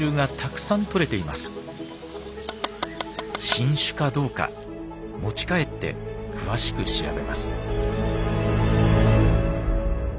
新種かどうか持ち帰って詳しく調べます。